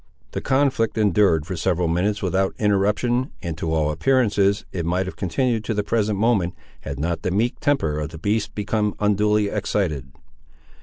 The conflict endured for several minutes without interruption, and to all appearances it might have continued to the present moment, had not the meek temper of the beast become unduly excited.